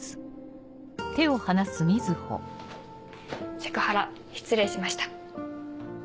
セクハラ失礼しました。